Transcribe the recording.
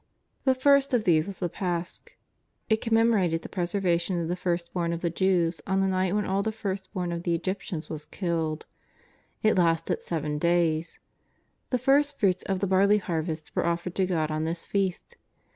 The first of these was the Pasch. It commemorated the preservation of the first born of the Jews on the night when all the first born of the Egyptians were killed. It lasted seven days. The first fruits of the barley har vest were offered to God on this Feast.